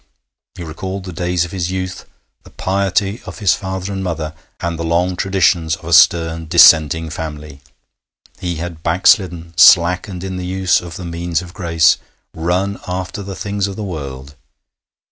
He recalled the days of his youth, the piety of his father and mother, and the long traditions of a stern Dissenting family. He had backslidden, slackened in the use of the means of grace, run after the things of this world.